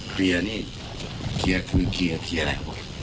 เคลียร์นี่เคลียร์คือเคลียร์เคลียร์อะไร